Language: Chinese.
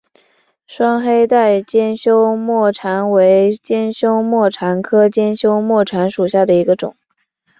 双黑带尖胸沫蝉为尖胸沫蝉科尖胸沫蝉属下的一个种。